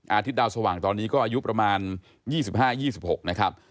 อาทิตย์ดาวสว่างตอนนี้ก็อายุประมาณ๒๕๒๖นะครับ